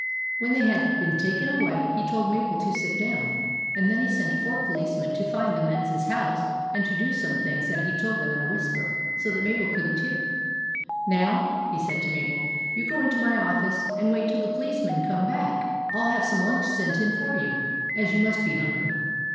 When they had been taken away, he told Mabel to sit down ; and then he sent four policemen to find the men's house, and to do some things that he told them in a whisper so that Mabel could n't hear. " Now," he said to Mabel, " you go into my office, and wait till the policemen come back. I '11 have some lunch sent in for you, as you must be hungry."